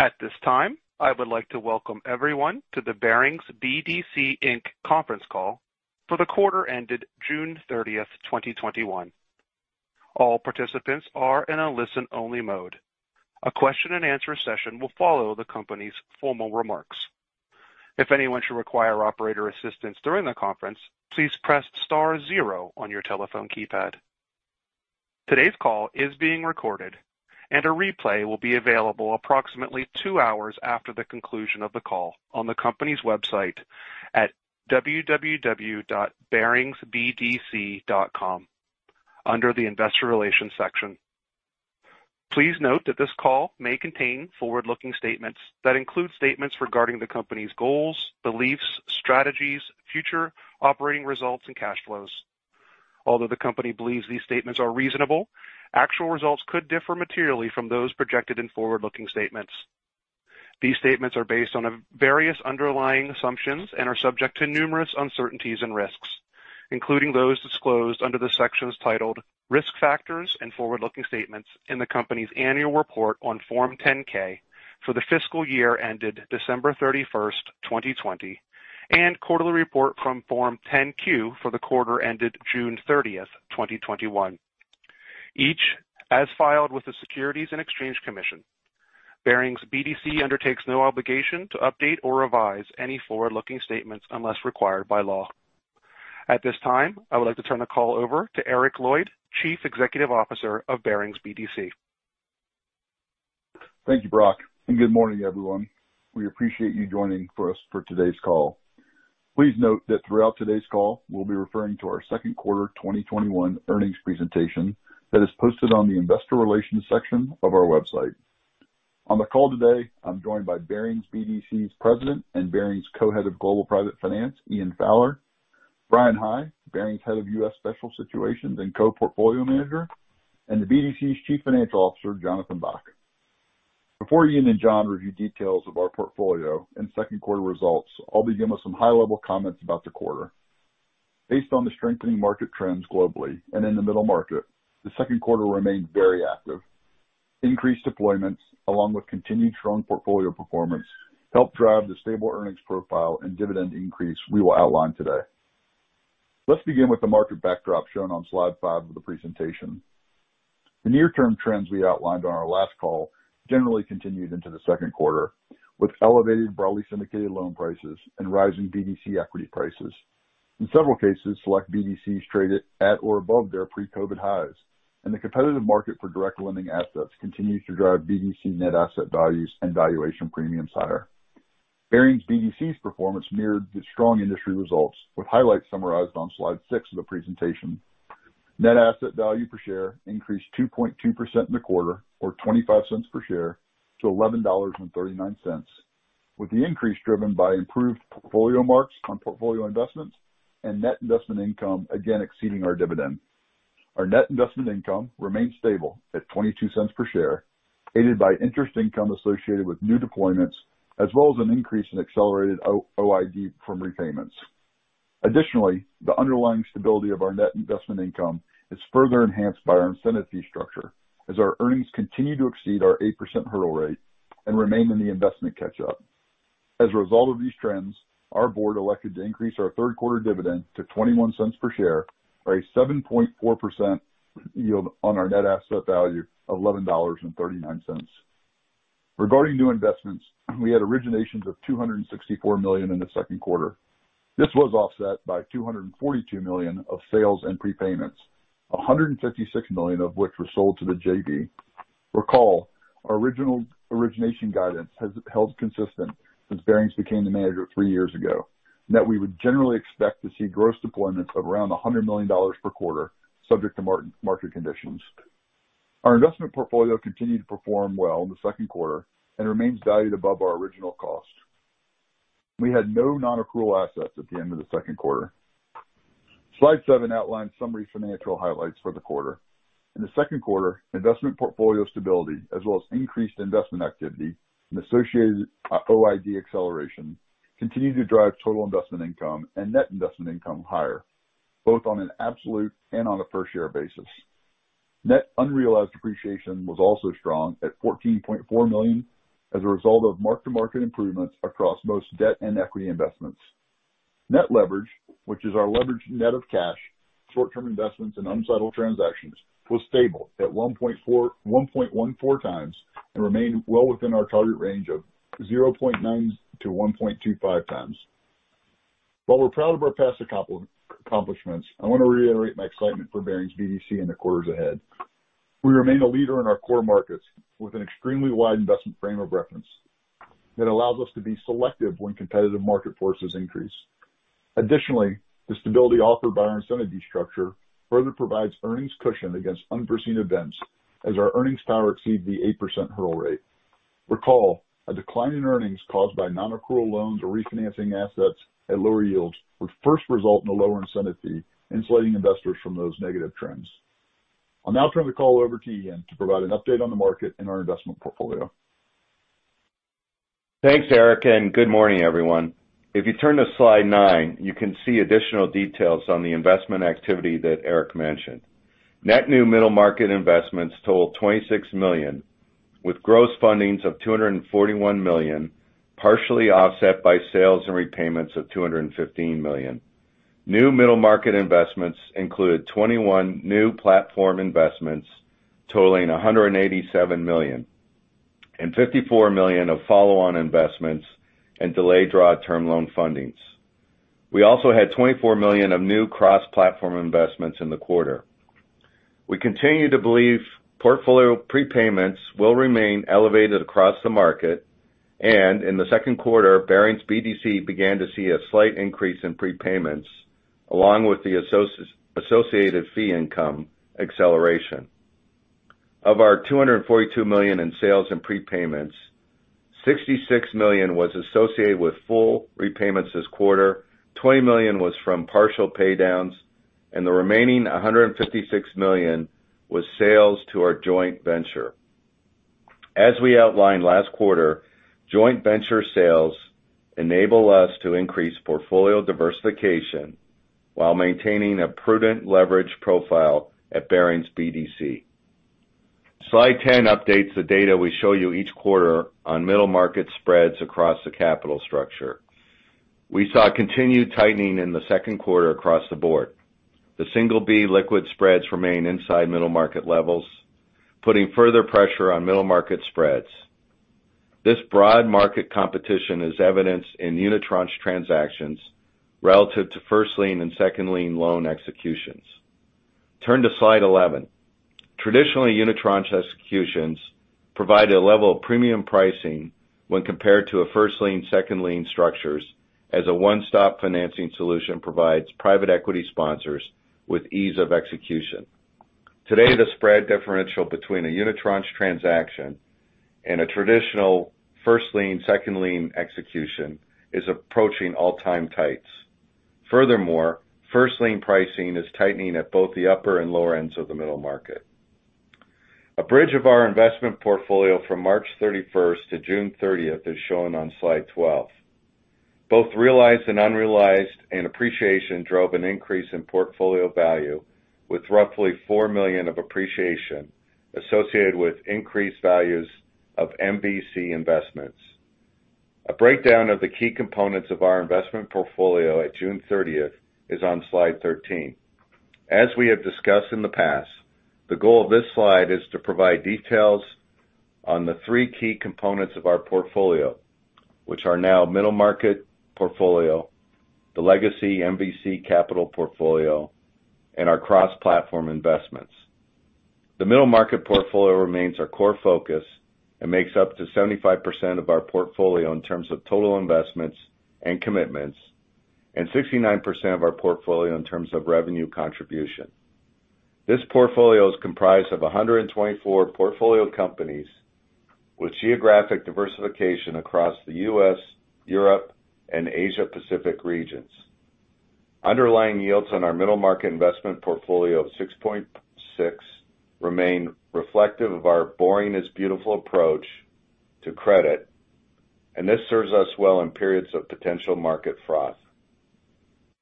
At this time, I would like to welcome everyone to the Barings BDC, Inc. conference call for the quarter ended June 30th, 2021. All participants are in listen only mode. A question and answer session will follow the company's formal remarks. If anyone should require the operator assistance during the conference, please press star zero on your zero on your telephone keypad. Today's call is being recorded, and a replay will be available approximately two hours after the conclusion of the call on the company's website at www.baringsbdc.com, under the Investor Relations section. Please note that this call may contain forward-looking statements that include statements regarding the company's goals, beliefs, strategies, future operating results, and cash flows. Although the company believes these statements are reasonable, actual results could differ materially from those projected in forward-looking statements. These statements are based on various underlying assumptions and are subject to numerous uncertainties and risks, including those disclosed under the sections titled risk factors and forward-looking statements in the company's annual report on Form 10-K for the fiscal year ended December 31st, 2020, and quarterly report on Form 10-Q for the quarter ended June 30th, 2021, each as filed with the Securities and Exchange Commission. Barings BDC undertakes no obligation to update or revise any forward-looking statements unless required by law. At this time, I would like to turn the call over to Eric Lloyd, Chief Executive Officer of Barings BDC. Thank you, Brock. Good morning, everyone. We appreciate you joining us for today's call. Please note that throughout today's call, we'll be referring to our second quarter 2021 earnings presentation that is posted on the investor relations section of our website. On the call today, I'm joined by Barings BDC's President and Barings Co-Head of Global Private Finance, Ian Fowler, Bryan High, Barings Head of U.S. Special Situations and Co-Portfolio Manager, and the BDC's Chief Financial Officer, Jonathan Bock. Before Ian and Jon review details of our portfolio and second quarter results, I'll begin with some high-level comments about the quarter. Based on the strengthening market trends globally and in the middle market, the second quarter remained very active. Increased deployments, along with continued strong portfolio performance, helped drive the stable earnings profile and dividend increase we will outline today. Let's begin with the market backdrop shown on slide five of the presentation. The near-term trends we outlined on our last call generally continued into the second quarter, with elevated broadly syndicated loan prices and rising BDC equity prices. In several cases, select BDCs traded at or above their pre-COVID highs, and the competitive market for direct lending assets continues to drive BDC net asset values and valuation premiums higher. Barings BDC's performance mirrored the strong industry results, with highlights summarized on slide six of the presentation. Net asset value per share increased 2.2% in the quarter, or $0.25 per share to $11.39, with the increase driven by improved portfolio marks on portfolio investments and net investment income again exceeding our dividend. Our net investment income remained stable at $0.22 per share, aided by interest income associated with new deployments, as well as an increase in accelerated OID from repayments. Additionally, the underlying stability of our net investment income is further enhanced by our incentive fee structure as our earnings continue to exceed our 8% hurdle rate and remain in the investment catch-up. As a result of these trends, our board elected to increase our third-quarter dividend to $0.21 per share, or a 7.4% yield on our net asset value of $11.39. Regarding new investments, we had originations of $264 million in the second quarter. This was offset by $242 million of sales and prepayments, $156 million of which were sold to the JV. Recall, our original origination guidance has held consistent since Barings became the manager three years ago, and that we would generally expect to see gross deployments of around $100 million per quarter, subject to market conditions. Our investment portfolio continued to perform well in the second quarter and remains valued above our original cost. We had no non-accrual assets at the end of the second quarter. Slide seven outlines summary financial highlights for the quarter. In the second quarter, investment portfolio stability, as well as increased investment activity and associated OID acceleration, continued to drive total investment income and net investment income higher, both on an absolute and on a per-share basis. Net unrealized appreciation was also strong at $14.4 million as a result of mark-to-market improvements across most debt and equity investments. Net leverage, which is our leverage net of cash, short-term investments, and unsettled transactions, was stable at 1.14x and remained well within our target range of 0.9-1.25x. While we're proud of our past accomplishments, I want to reiterate my excitement for Barings BDC in the quarters ahead. We remain a leader in our core markets with an extremely wide investment frame of reference that allows us to be selective when competitive market forces increase. Additionally, the stability offered by our incentive fee structure further provides earnings cushion against unforeseen events as our earnings power exceeds the 8% hurdle rate. Recall, a decline in earnings caused by non-accrual loans or refinancing assets at lower yields would first result in a lower incentive fee, insulating investors from those negative trends. I'll now turn the call over to Ian to provide an update on the market and our investment portfolio. Thanks, Eric, and good morning, everyone. If you turn to slide nine, you can see additional details on the investment activity that Eric mentioned. Net new middle market investments totaled $26 million, with gross fundings of $241 million, partially offset by sales and repayments of $215 million. New middle market investments included 21 new platform investments totaling $187 million and $54 million of follow-on investments and delayed draw term loan fundings. We also had $24 million of new cross-platform investments in the quarter. We continue to believe portfolio prepayments will remain elevated across the market, and in the second quarter, Barings BDC began to see a slight increase in prepayments along with the associated fee income acceleration. Of our $242 million in sales and prepayments, $66 million was associated with full repayments this quarter, $20 million was from partial paydowns, and the remaining $156 million was sales to our joint venture. As we outlined last quarter, joint venture sales enable us to increase portfolio diversification while maintaining a prudent leverage profile at Barings BDC. Slide 10 updates the data we show you each quarter on middle market spreads across the capital structure. We saw continued tightening in the second quarter across the board. The single B liquid spreads remain inside middle market levels, putting further pressure on middle market spreads. This broad market competition is evidenced in unitranche transactions relative to first lien and second lien loan executions. Turn to slide 11. Traditionally, unitranche executions provide a level of premium pricing when compared to a first lien, second lien structures as a one-stop financing solution provides private equity sponsors with ease of execution. Today, the spread differential between a unitranche transaction and a traditional first lien, second lien execution is approaching all-time tights. Furthermore, first lien pricing is tightening at both the upper and lower ends of the middle market. A bridge of our investment portfolio from March 31st to June 30th is shown on slide 12. Both realized and unrealized appreciation drove an increase in portfolio value with roughly $4 million of appreciation associated with increased values of MVC investments. A breakdown of the key components of our investment portfolio at June 30th is on slide 13. As we have discussed in the past, the goal of this slide is to provide details on the three key components of our portfolio, which are our middle market portfolio, the legacy MVC Capital portfolio, and our cross-platform investments. The middle market portfolio remains our core focus and makes up to 75% of our portfolio in terms of total investments and commitments, and 69% of our portfolio in terms of revenue contribution. This portfolio is comprised of 124 portfolio companies with geographic diversification across the U.S., Europe, and Asia Pacific regions. Underlying yields on our middle market investment portfolio of 6.6% remain reflective of our boring is beautiful approach to credit, and this serves us well in periods of potential market froth.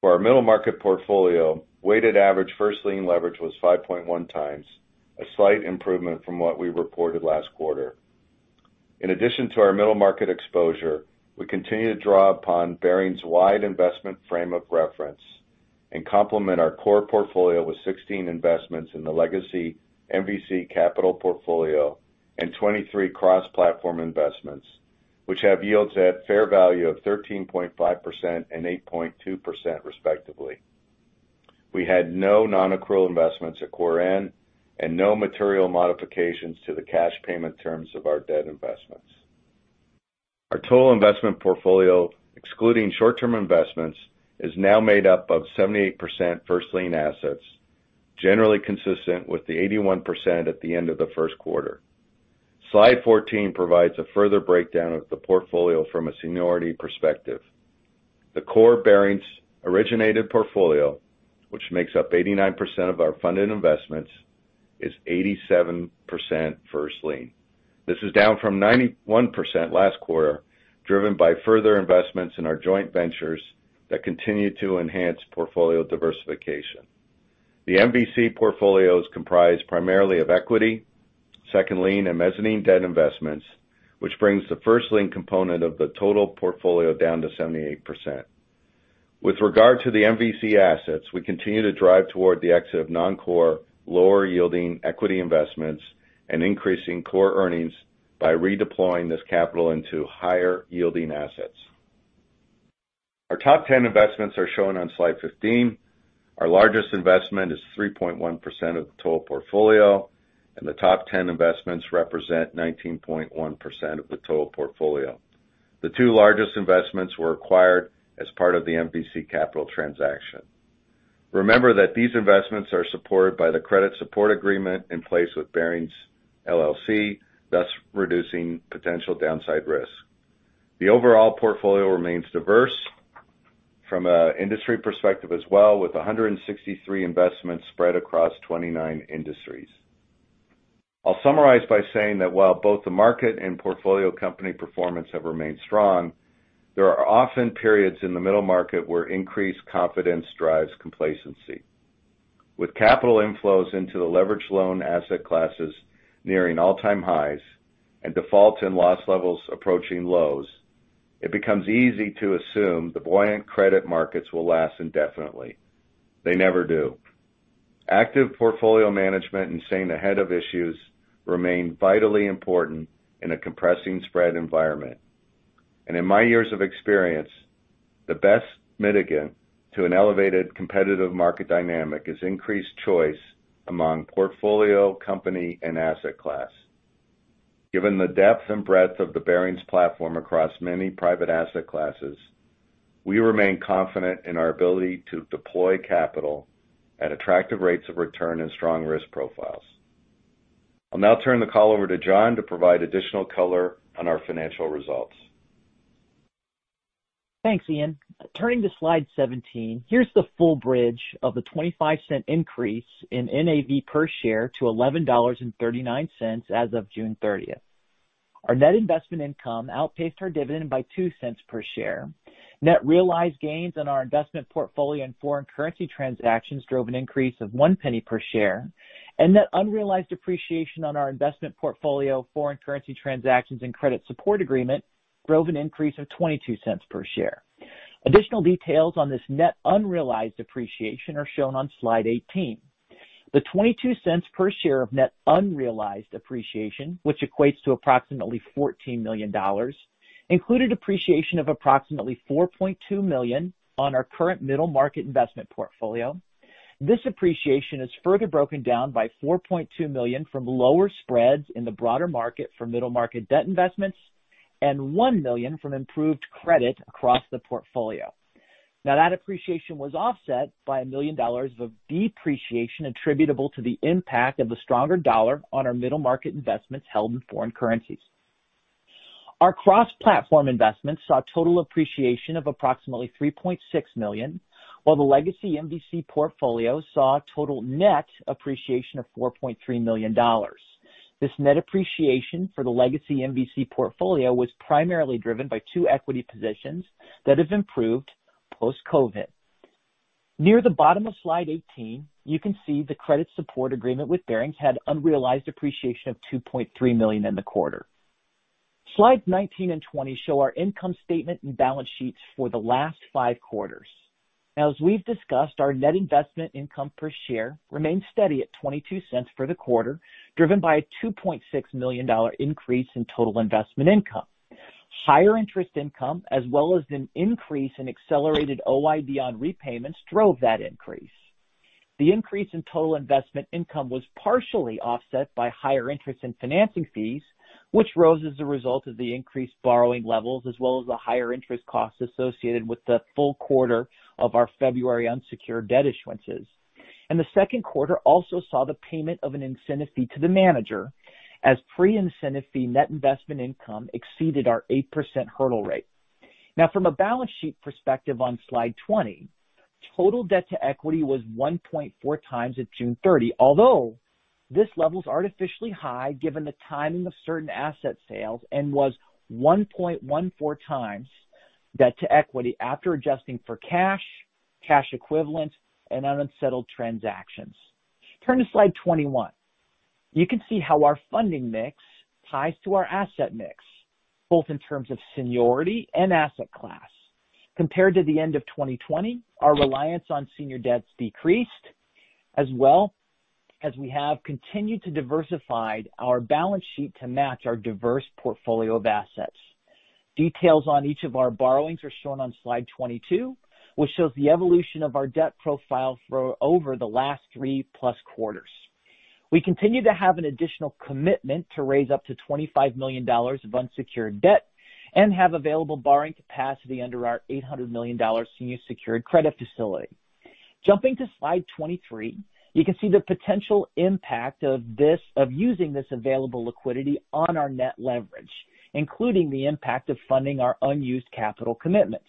For our middle market portfolio, weighted average first lien leverage was 5.1x, a slight improvement from what we reported last quarter. In addition to our middle market exposure, we continue to draw upon Barings' wide investment frame of reference and complement our core portfolio with 16 investments in the legacy MVC Capital portfolio and 23 cross-platform investments, which have yields at fair value of 13.5% and 8.2%, respectively. We had no non-accrual investments at quarter end and no material modifications to the cash payment terms of our debt investments. Our total investment portfolio, excluding short-term investments, is now made up of 78% first lien assets, generally consistent with the 81% at the end of the first quarter. Slide 14 provides a further breakdown of the portfolio from a seniority perspective. The core Barings originated portfolio, which makes up 89% of our funded investments, is 87% first lien. This is down from 91% last quarter, driven by further investments in our joint ventures that continue to enhance portfolio diversification. The MVC portfolio is comprised primarily of equity, second lien, and mezzanine debt investments, which brings the first lien component of the total portfolio down to 78%. With regard to the MVC assets, we continue to drive toward the exit of non-core, lower yielding equity investments and increasing core earnings by redeploying this capital into higher yielding assets. Our top 10 investments are shown on slide 15. Our largest investment is 3.1% of the total portfolio, and the top 10 investments represent 19.1% of the total portfolio. The two largest investments were acquired as part of the MVC Capital transaction. Remember that these investments are supported by the credit support agreement in place with Barings LLC, thus reducing potential downside risk. The overall portfolio remains diverse from an industry perspective as well, with 163 investments spread across 29 industries. I'll summarize by saying that while both the market and portfolio company performance have remained strong, there are often periods in the middle market where increased confidence drives complacency. With capital inflows into the leverage loan asset classes nearing all-time highs and defaults and loss levels approaching lows, it becomes easy to assume the buoyant credit markets will last indefinitely. They never do. Active portfolio management and staying ahead of issues remain vitally important in a compressing spread environment. In my years of experience, the best mitigant to an elevated competitive market dynamic is increased choice among portfolio, company, and asset class. Given the depth and breadth of the Barings platform across many private asset classes, we remain confident in our ability to deploy capital at attractive rates of return and strong risk profiles. I'll now turn the call over to Jon to provide additional color on our financial results. Thanks, Ian. Turning to slide 17, here's the full bridge of the $0.25 increase in NAV per share to $11.39 as of June 30th. Our net investment income outpaced our dividend by $0.02 per share. Net realized gains on our investment portfolio and foreign currency transactions drove an increase of $0.01 per share, and net unrealized appreciation on our investment portfolio, foreign currency transactions, and credit support agreement drove an increase of $0.22 per share. Additional details on this net unrealized appreciation are shown on slide 18. The $0.22 per share of net unrealized appreciation, which equates to approximately $14 million, included appreciation of approximately $4.2 million on our current middle market investment portfolio. This appreciation is further broken down by $4.2 million from lower spreads in the broader market for middle market debt investments and $1 million from improved credit across the portfolio. That appreciation was offset by $1 million of depreciation attributable to the impact of the stronger dollar on our middle market investments held in foreign currencies. Our cross-platform investments saw total appreciation of approximately $3.6 million, while the legacy MVC portfolio saw total net appreciation of $4.3 million. This net appreciation for the legacy MVC portfolio was primarily driven by two equity positions that have improved post-COVID. Near the bottom of slide 18, you can see the credit support agreement with Barings had unrealized appreciation of $2.3 million in the quarter. Slides 19 and 20 show our income statement and balance sheets for the last five quarters. As we've discussed, our net investment income per share remains steady at $0.22 for the quarter, driven by a $2.6 million increase in total investment income. Higher interest income, as well as an increase in accelerated OID beyond repayments, drove that increase. The increase in total investment income was partially offset by higher interest in financing fees, which rose as a result of the increased borrowing levels as well as the higher interest costs associated with the full quarter of our February unsecured debt issuances. The second quarter also saw the payment of an incentive fee to the manager as pre-incentive fee net investment income exceeded our 8% hurdle rate. From a balance sheet perspective on slide 20, total debt to equity was 1.4x at June 30. This level is artificially high given the timing of certain asset sales and was 1.14x debt to equity after adjusting for cash equivalent, and unsettled transactions. Turn to slide 21. You can see how our funding mix ties to our asset mix, both in terms of seniority and asset class. Compared to the end of 2020, our reliance on senior debts decreased as well as we have continued to diversified our balance sheet to match our diverse portfolio of assets. Details on each of our borrowings are shown on slide 22, which shows the evolution of our debt profile for over the last three plus quarters. We continue to have an additional commitment to raise up to $25 million of unsecured debt and have available borrowing capacity under our $800 million senior secured credit facility. Jumping to slide 23, you can see the potential impact of using this available liquidity on our net leverage, including the impact of funding our unused capital commitments.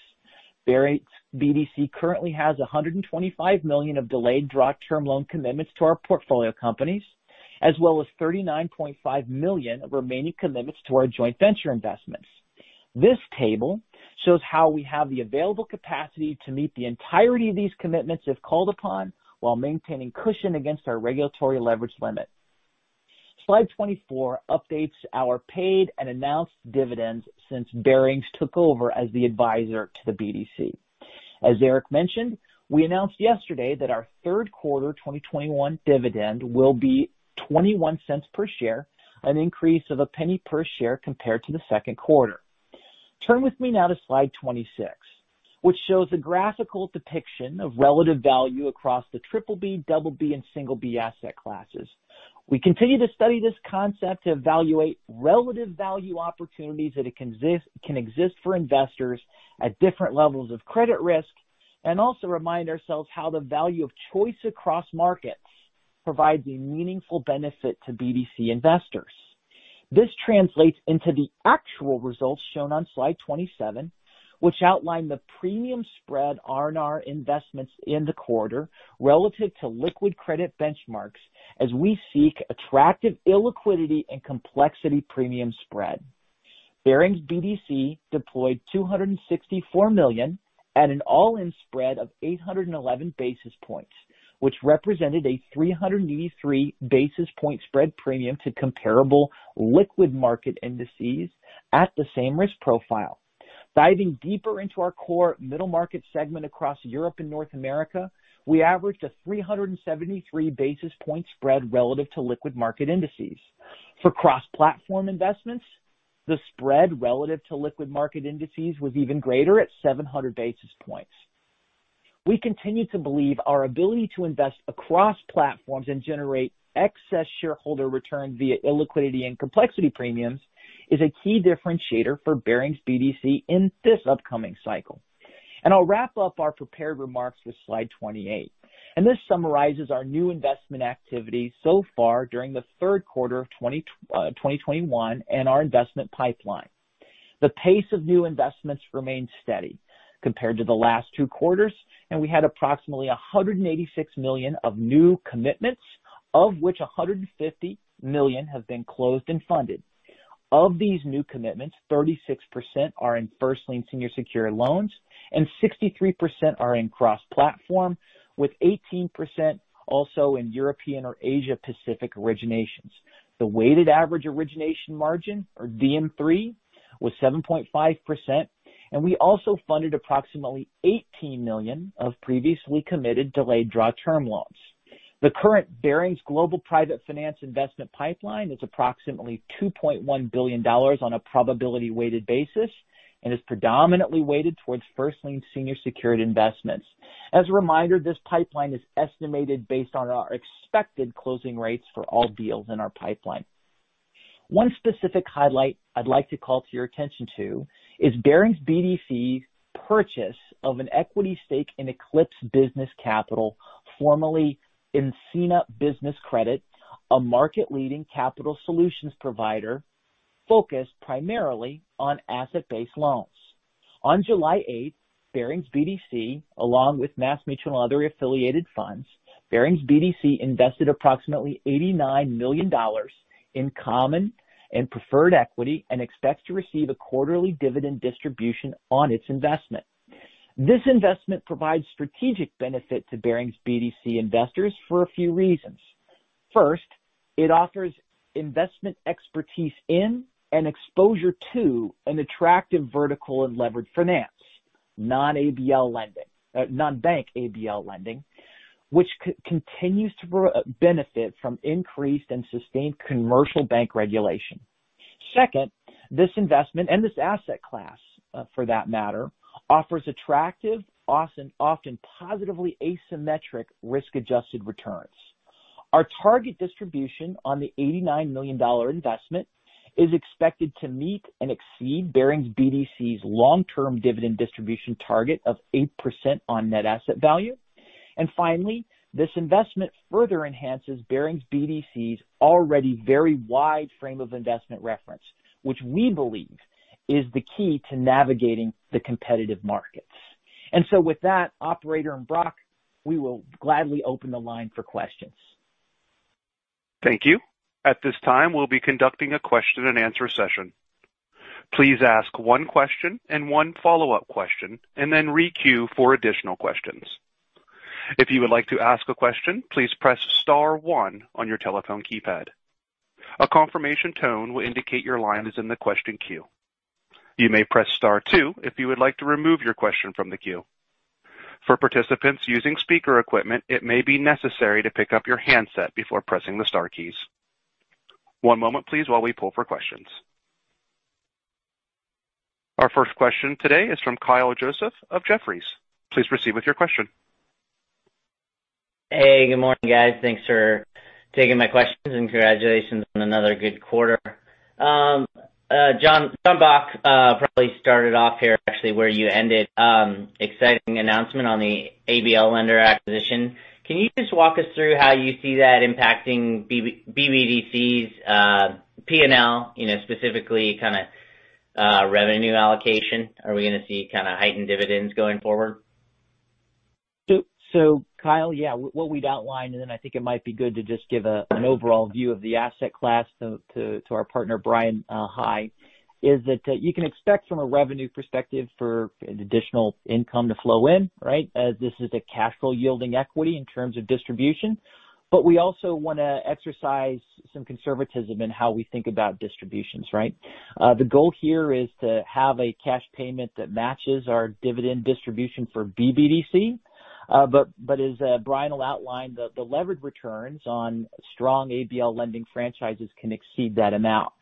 Barings BDC currently has $125 million of delayed draw term loan commitments to our portfolio companies, as well as $39.5 million of remaining commitments to our joint venture investments. This table shows how we have the available capacity to meet the entirety of these commitments if called upon while maintaining cushion against our regulatory leverage limit. Slide 24 updates our paid and announced dividends since Barings took over as the adviser to the BDC. As Eric mentioned, we announced yesterday that our third quarter 2021 dividend will be $0.21 per share, an increase of $0.01 per share compared to the second quarter. Turn with me now to slide 26, which shows a graphical depiction of relative value across the BBB, BB, and B asset classes. We continue to study this concept to evaluate relative value opportunities that can exist for investors at different levels of credit risk and also remind ourselves how the value of choice across markets provides a meaningful benefit to BDC investors. This translates into the actual results shown on slide 27, which outline the premium spread on our investments in the quarter relative to liquid credit benchmarks as we seek attractive illiquidity and complexity premium spread. Barings BDC deployed $264 million at an all-in spread of 811 basis points, which represented a 383 basis point spread premium to comparable liquid market indices at the same risk profile. Diving deeper into our core middle market segment across Europe and North America, we averaged a 373 basis point spread relative to liquid market indices. For cross-platform investments, the spread relative to liquid market indices was even greater at 700 basis points. We continue to believe our ability to invest across platforms and generate excess shareholder return via illiquidity and complexity premiums is a key differentiator for Barings BDC in this upcoming cycle. I'll wrap up our prepared remarks with slide 28, and this summarizes our new investment activity so far during the third quarter of 2021 and our investment pipeline. The pace of new investments remained steady compared to the last two quarters, and we had approximately $186 million of new commitments, of which $150 million have been closed and funded. Of these new commitments, 36% are in first-lien senior secured loans and 63% are in cross-platform, with 18% also in European or Asia Pacific originations. The weighted average origination margin, or DM3, was 7.5%, and we also funded approximately $18 million of previously committed delayed draw term loans. The current Barings Global Private Finance investment pipeline is approximately $2.1 billion on a probability weighted basis and is predominantly weighted towards first-lien senior secured investments. As a reminder, this pipeline is estimated based on our expected closing rates for all deals in our pipeline. One specific highlight I'd like to call to your attention to is Barings BDC's purchase of an equity stake in Eclipse Business Capital, formerly Encina Business Credit, a market-leading capital solutions provider focused primarily on asset-based loans. On July 8th, Barings BDC, along with MassMutual and other affiliated funds, Barings BDC invested approximately $89 million in common and preferred equity and expects to receive a quarterly dividend distribution on its investment. This investment provides strategic benefit to Barings BDC investors for a few reasons. First, it offers investment expertise in and exposure to an attractive vertical and leveraged finance, non-bank ABL lending, which continues to benefit from increased and sustained commercial bank regulation. Second, this investment, and this asset class for that matter, offers attractive, often positively asymmetric risk-adjusted returns. Our target distribution on the $89 million investment is expected to meet and exceed Barings BDC's long-term dividend distribution target of 8% on net asset value. Finally, this investment further enhances Barings BDC's already very wide frame of investment reference, which we believe is the key to navigating the competitive markets. With that, operator and Brock, we will gladly open the line for questions. Thank you. At this time we'll be conducting a question and answer session. Please ask one question and one follow-up question, and re-queue for additional questions. If you would like to ask a question, please press star one on your telephone keypad. A confirmation tone will indicate your line is in the question queue. You may press star two if you would like to remove your question from the queue. For participants using speaker equipment, it may be necessary to pick your headset before pressing the star keys. One moment please, as we poll for questions. Our first question today is from Kyle Joseph of Jefferies. Please proceed with your question. Hey, good morning, guys. Thanks for taking my questions, and congratulations on another good quarter. Jonathan Bock probably started off here actually where you ended. Exciting announcement on the ABL lender acquisition. Can you just walk us through how you see that impacting BBDC's P&L, specifically kind of revenue allocation? Are we going to see kind of heightened dividends going forward? Kyle, yeah, what we'd outlined, and then I think it might be good to just give an overall view of the asset class to our partner, Bryan High, is that you can expect from a revenue perspective for an additional income to flow in, right? As this is a cash flow yielding equity in terms of distribution. We also want to exercise some conservatism in how we think about distributions, right? The goal here is to have a cash payment that matches our dividend distribution for BBDC. As Bryan will outline, the levered returns on strong ABL lending franchises can exceed that amount.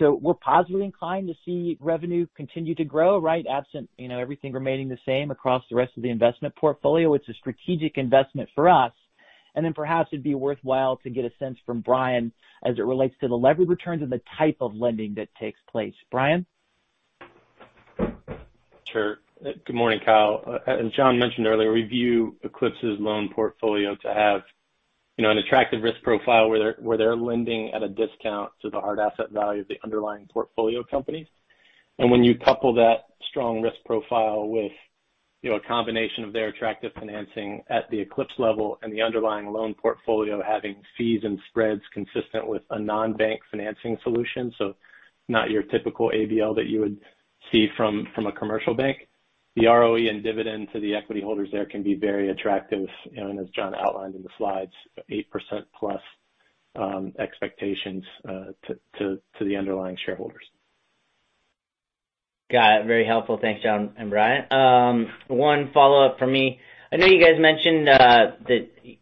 We're positively inclined to see revenue continue to grow, right? Absent everything remaining the same across the rest of the investment portfolio. It's a strategic investment for us. Perhaps it'd be worthwhile to get a sense from Bryan as it relates to the levered returns and the type of lending that takes place. Bryan? Sure. Good morning, Kyle. As Jon mentioned earlier, we view Eclipse's loan portfolio to have an attractive risk profile where they're lending at a discount to the hard asset value of the underlying portfolio companies. When you couple that strong risk profile with a combination of their attractive financing at the Eclipse level and the underlying loan portfolio having fees and spreads consistent with a non-bank financing solution, so not your typical ABL that you would see from a commercial bank. The ROE and dividend to the equity holders there can be very attractive, and as Jon outlined in the slides, 8%+ expectations to the underlying shareholders. Got it. Very helpful. Thanks, Jon and Brian. One follow-up from me. I know you guys mentioned that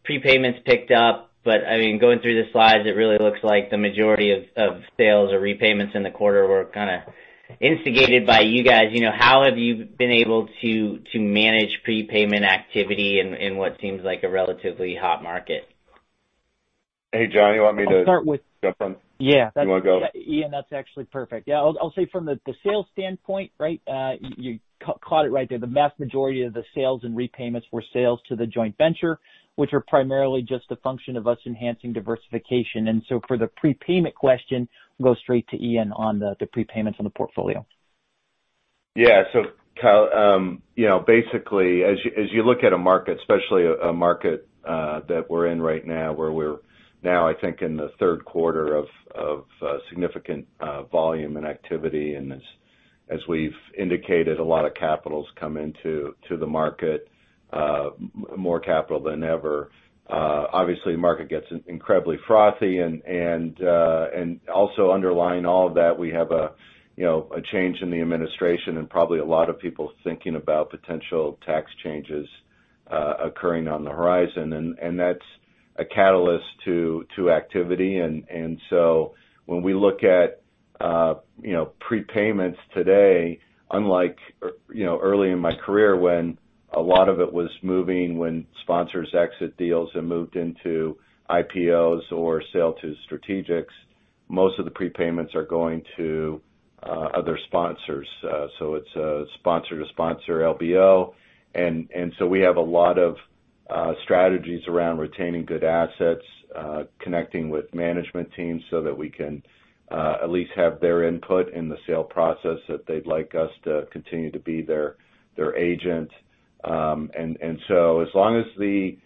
prepayments picked up. Going through the slides, it really looks like the majority of sales or repayments in the quarter were kind of instigated by you guys. How have you been able to manage prepayment activity in what seems like a relatively hot market? Hey, Jon. I'll start with- Jump in? Yeah. You want to go? Ian, that's actually perfect. Yeah, I'll say from the sales standpoint. You caught it right there. The vast majority of the sales and repayments were sales to the joint venture, which are primarily just a function of us enhancing diversification. For the prepayment question, we'll go straight to Ian on the prepayments on the portfolio. Kyle, basically, as you look at a market, especially a market that we're in right now, where we're now, I think, in the third quarter of significant volume and activity. As we've indicated, a lot of capital's come into the market, more capital than ever. Obviously, market gets incredibly frothy. Also underlying all of that, we have a change in the administration and probably a lot of people thinking about potential tax changes occurring on the horizon, and that's a catalyst to activity. When we look at prepayments today, unlike early in my career when a lot of it was moving when sponsors exit deals and moved into IPOs or sale to strategics, most of the prepayments are going to other sponsors. It's a sponsor-to-sponsor LBO. We have a lot of strategies around retaining good assets, connecting with management teams so that we can at least have their input in the sale process that they'd like us to continue to be their agent. As long as we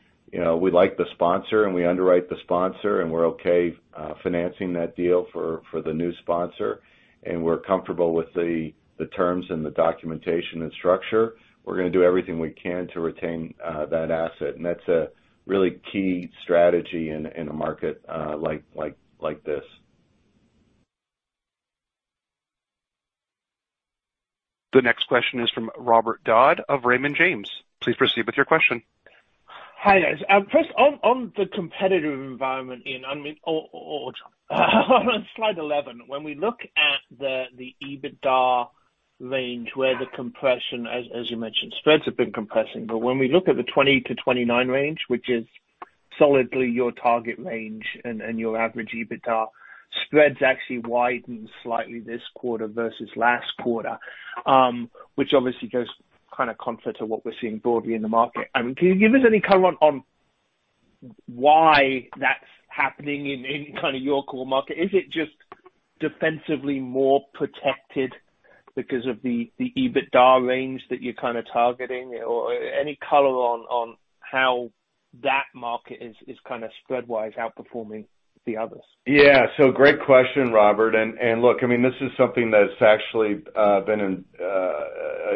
like the sponsor and we underwrite the sponsor and we're okay financing that deal for the new sponsor, and we're comfortable with the terms and the documentation and structure, we're going to do everything we can to retain that asset. That's a really key strategy in a market like this. The next question is from Robert Dodd of Raymond James. Please proceed with your question. Hi, guys. First, on the competitive environment, Ian, or Jon. On slide 11, when we look at the EBITDA range where the compression, as you mentioned, spreads have been compressing. When we look at the 20-29 range, which is solidly your target range and your average EBITDA, spreads actually widened slightly this quarter versus last quarter, which obviously goes kind of contrary to what we're seeing broadly in the market. Can you give us any color on why that's happening in kind of your core market? Is it just defensively more protected because of the EBITDA range that you're kind of targeting? Or any color on how that market is kind of spread wise outperforming the others? Yeah. Great question, Robert. Look, this is something that's actually been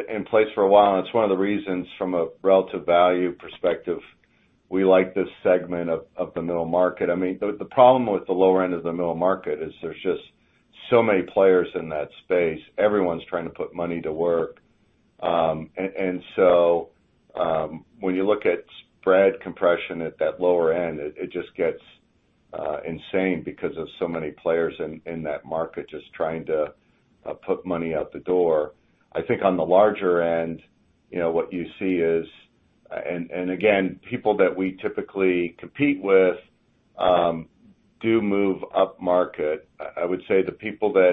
in place for a while, and it's one of the reasons from a relative value perspective, we like this segment of the middle market. The problem with the lower end of the middle market is there's just so many players in that space. Everyone's trying to put money to work. When you look at spread compression at that lower end, it just gets insane because of so many players in that market just trying to put money out the door. I think on the larger end, what you see is, and again, people that we typically compete with do move up market. I would say the people that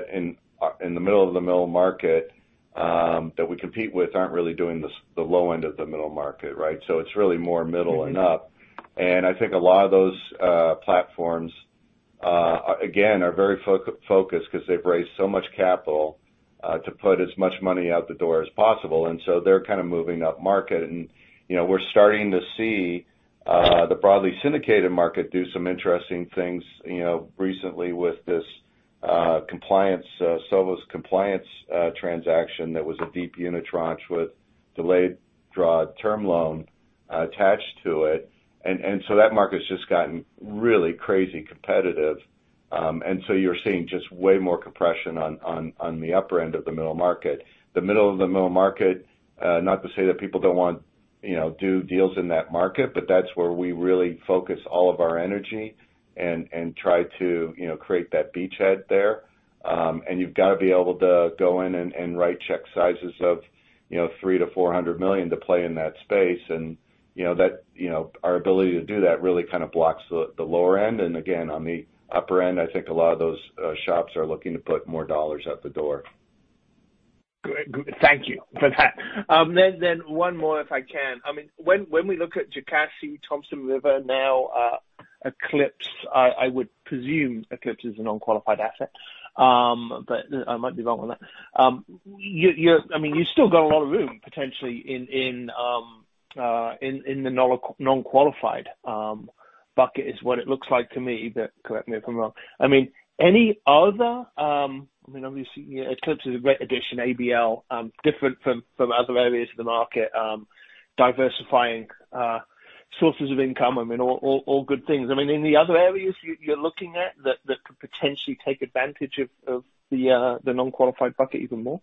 are in the middle of the middle market, that we compete with aren't really doing the low end of the middle market, right? It's really more middle and up. I think a lot of those platforms, again, are very focused because they've raised so much capital, to put as much money out the door as possible. They're kind of moving up market. We're starting to see the broadly syndicated market do some interesting things recently with this SOFR compliance transaction that was a deep unitranche with delayed draw term loan attached to it. That market's just gotten really crazy competitive. You're seeing just way more compression on the upper end of the middle market. The middle of the middle market, not to say that people don't want do deals in that market, but that's where we really focus all of our energy and try to create that beachhead there. You've got to be able to go in and write check sizes of $300 million-$400 million to play in that space. Our ability to do that really kind of blocks the lower end. Again, on the upper end, I think a lot of those shops are looking to put more dollars out the door. Good. Thank you for that. One more if I can. When we look at Jocassee, Thompson Rivers, now Eclipse, I would presume Eclipse is a non-qualified asset. I might be wrong on that. You've still got a lot of room potentially in the non-qualified bucket is what it looks like to me. Correct me if I'm wrong. Obviously, Eclipse is a great addition, ABL different from other areas of the market, diversifying sources of income, all good things. In the other areas you're looking at that could potentially take advantage of the non-qualified bucket even more?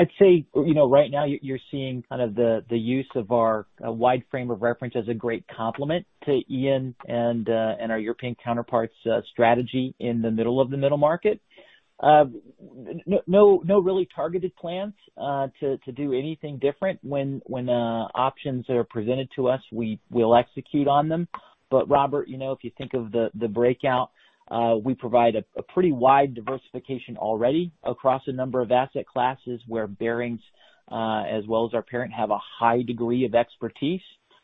I'd say right now you're seeing kind of the use of our wide frame of reference as a great complement to Ian and our European counterparts' strategy in the middle of the middle market. No really targeted plans to do anything different. When options are presented to us, we'll execute on them. Robert, if you think of the breakout, we provide a pretty wide diversification already across a number of asset classes where Barings, as well as our parent have a high degree of expertise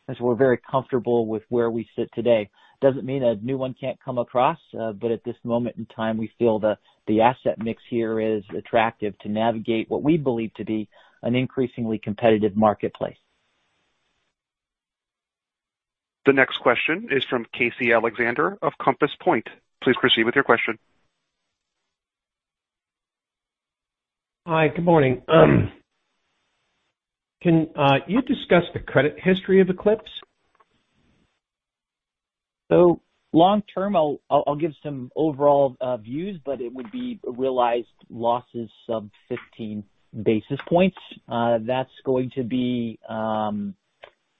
as we're very comfortable with where we sit today. Doesn't mean a new one can't come across. At this moment in time, we feel the asset mix here is attractive to navigate what we believe to be an increasingly competitive marketplace. The next question is from Casey Alexander of Compass Point. Please proceed with your question. Hi, good morning. Can you discuss the credit history of Eclipse? Long term, I'll give some overall views, but it would be realized losses sub 15 basis points. That's going to be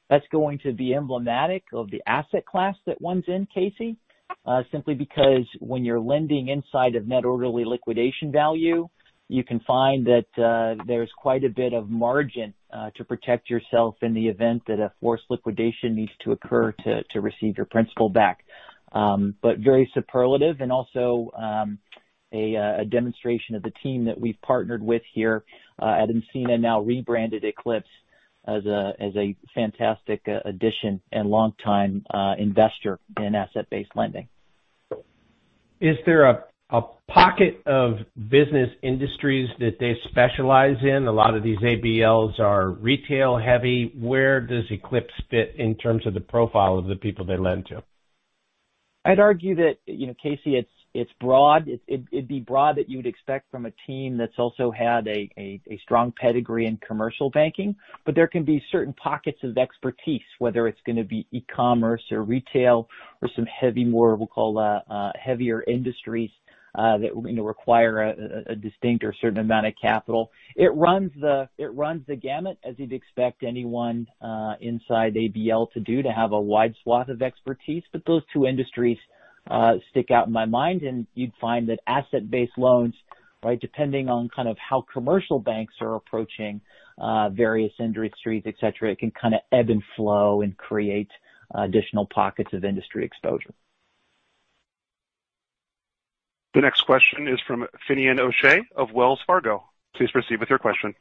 emblematic of the asset class that one's in, Casey. I think simply because when you're lending inside of that early liquidation value, you can find that there's quite a bit of margin to protect yourself in the event that a forced liquidation needs to occur to receive the principal back, but very superlative and also a demonstration of the team that we've partnered with here at Encina, now rebranded Eclipse as a fantastic addition and longtime investor in asset-based lending. Is there a pocket of business industries that they specialize in? A lot of these ABLs are retail-heavy. Where does Eclipse fit in terms of the profile of the people they lend to? I'd argue that, Casey, it's broad. It'd be broad that you'd expect from a team that's also had a strong pedigree in commercial banking. There can be certain pockets of expertise, whether it's going to be e-commerce or retail or some heavy, more we'll call heavier industries that require a distinct or certain amount of capital. It runs the gamut as you'd expect anyone inside ABL to do to have a wide swath of expertise. Those two industries stick out in my mind, and you'd find that asset-based loans depending on kind of how commercial banks are approaching various industries, et cetera, it can kind of ebb and flow and create additional pockets of industry exposure. The next question is from Finian O'Shea of Wells Fargo. Please proceed with your question.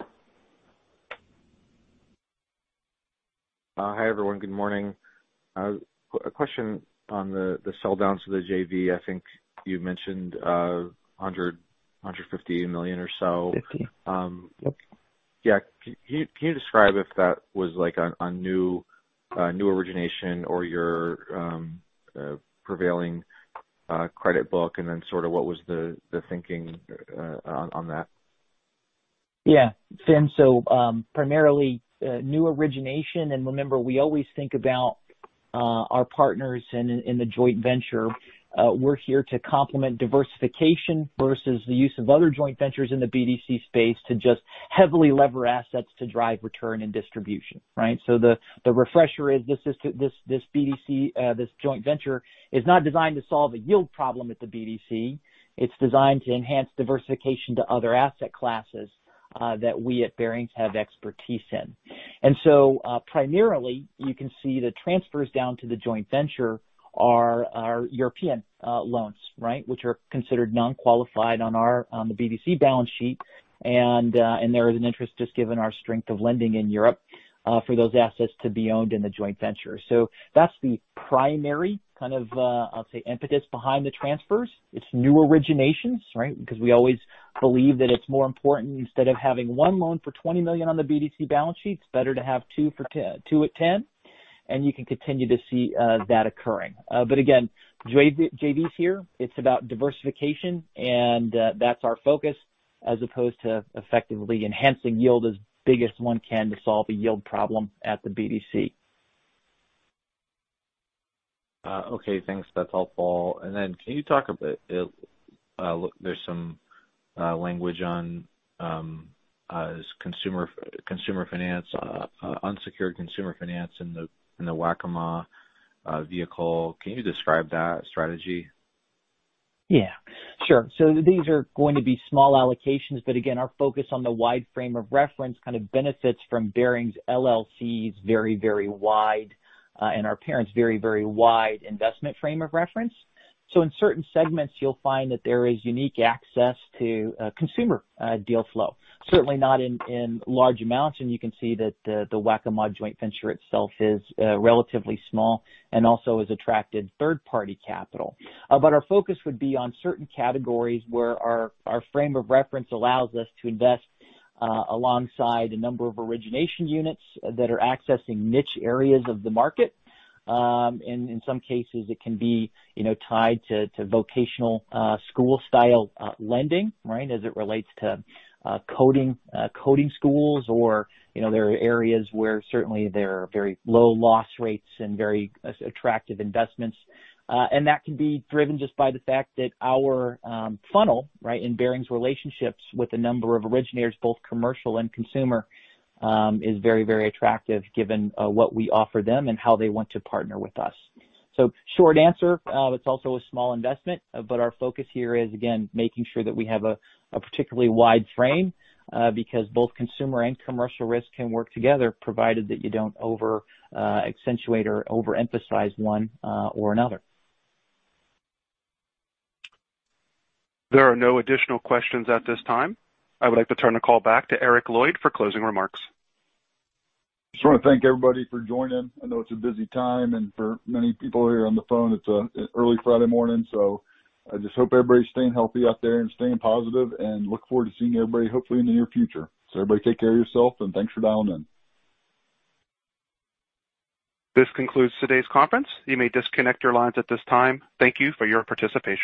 Hi, everyone. Good morning. A question on the sell downs to the JV. I think you mentioned $150 million or so. 50. Yep. Yeah. Can you describe if that was like a new origination or your prevailing credit book? Sort of what was the thinking on that? Yeah. Fin, primarily new origination. Remember, we always think about our partners in the joint venture. We're here to complement diversification versus the use of other joint ventures in the BDC space to just heavily lever assets to drive return and distribution. Right? The refresher is this BDC, this joint venture is not designed to solve a yield problem at the BDC. It's designed to enhance diversification to other asset classes that we at Barings have expertise in. Primarily you can see the transfers down to the joint venture are our European loans which are considered non-qualified on the BDC balance sheet. There is an interest just given our strength of lending in Europe for those assets to be owned in the joint venture. That's the primary kind of I'll say impetus behind the transfers. It's new originations because we always believe that it's more important instead of having one loan for $20 million on the BDC balance sheet, it's better to have two at 10. You can continue to see that occurring. Again, JVs here, it's about diversification, that's our focus as opposed to effectively enhancing yield as big as one can to solve a yield problem at the BDC. Okay, thanks. That's helpful. Can you talk a bit, there's some language on consumer finance, unsecured consumer finance in the Waccamaw vehicle. Can you describe that strategy? Yeah, sure. These are going to be small allocations. Again, our focus on the wide frame of reference kind of benefits from Barings LLC's very wide and our parents very wide investment frame of reference. In certain segments you'll find that there is unique access to consumer deal flow. Certainly not in large amounts. You can see that the Waccamaw joint venture itself is relatively small and also has attracted third-party capital. Our focus would be on certain categories where our frame of reference allows us to invest alongside a number of origination units that are accessing niche areas of the market. In some cases it can be tied to vocational school style lending as it relates to coding schools or there are areas where certainly there are very low loss rates and very attractive investments. That can be driven just by the fact that our funnel in Barings relationships with a number of originators both commercial and consumer is very attractive given what we offer them and how they want to partner with us. Short answer, it's also a small investment, but our focus here is again making sure that we have a particularly wide frame because both consumer and commercial risk can work together provided that you don't over accentuate or overemphasize one or another. There are no additional questions at this time. I would like to turn the call back to Eric Lloyd for closing remarks. Just want to thank everybody for joining. I know it's a busy time and for many people here on the phone it's early Friday morning. I just hope everybody's staying healthy out there and staying positive and look forward to seeing everybody hopefully in the near future. Everybody take care of yourself and thanks for dialing in. This concludes today's conference. You may disconnect your lines at this time. Thank you for your participation.